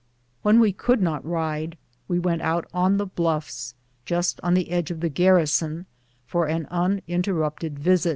When we could not ride, we went out on the bluffs, just on the edge of the garrison, for an uninterrupted hour.